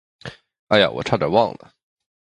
哎呀，我差点忘了。